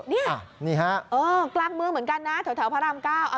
นี่เออกล้ามมือเหมือนกันนะแถวพระราม๙